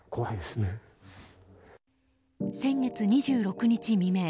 先月２６日未明